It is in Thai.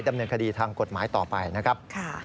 ดำเนินคดีทางกฎหมายต่อไปนะครับ